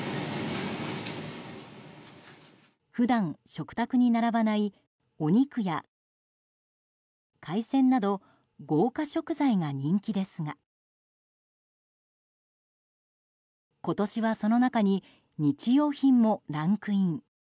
普段、食卓に並ばないお肉や海鮮など豪華食材が人気ですが今年は、その中に日用品もランクイン。